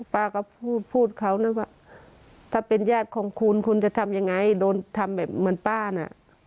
ป้าก็พูดพูดเขานะว่าถ้าเป็นญาติของคุณคุณจะทำยังไงโดนทำแบบเหมือนป้าน่ะ